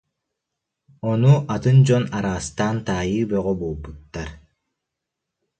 Ону атын дьон араастаан таайыы бөҕө буолбуттар